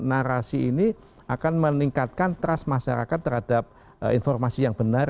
narasi ini akan meningkatkan trust masyarakat terhadap informasi yang benar